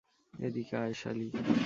এদিকে আয়, শালী।